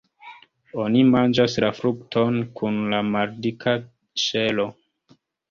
Oni manĝas la frukton kun la maldika ŝelo.